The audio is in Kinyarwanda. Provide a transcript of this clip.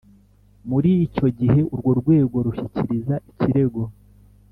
Muri icyo gihe urwo rwego rushyikiriza ikirego